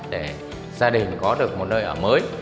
để gia đình có được một nơi ở mới